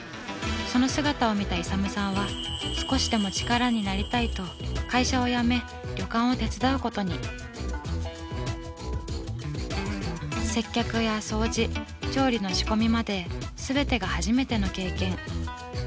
その姿を見た勇さんは少しでも力になりたいと接客や掃除調理の仕込みまで全てが初めての経験。